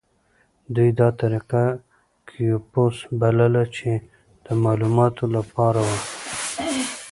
دوی دا طریقه کیوپوس بلله چې د معلوماتو لپاره وه.